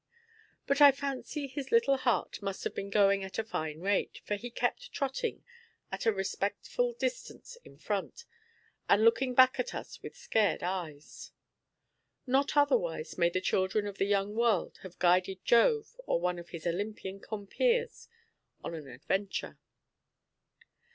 But I fancy his little heart must have been going at a fine rate; for he kept trotting at a respectful distance in front, and looking back at us with scared eyes. Not otherwise may the children of the young world have guided Jove or one of his Olympian compeers on an adventure.